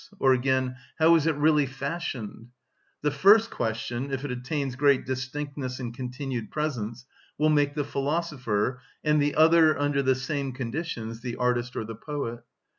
or again, "How is it really fashioned?" The first question, if it attains great distinctness and continued presence, will make the philosopher, and the other, under the same conditions, the artist or the poet.